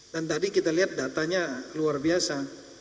tadi kita lihat datanya luar biasa